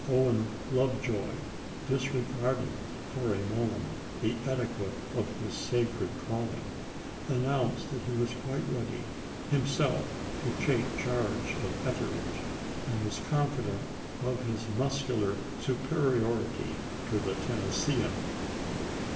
Owen Love joy, disregarding for a moment the etiquette of his sacred calling, announced that he was quite ready himself to take charge of Etheridge, and was confident of his muscular superiority to the Tennesseean.